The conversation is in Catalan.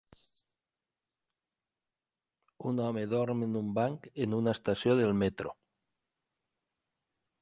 Un home dorm en un banc en una estació del metro.